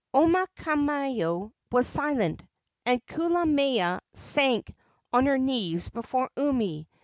Omaukamau was silent, and Kulamea sank on her knees before Umi.